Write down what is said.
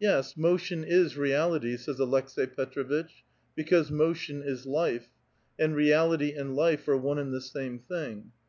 "Yes, motion is reality," says Aleks^i Petr6vitch, "be cause motion is life ; and realitv and life are one and the same thing.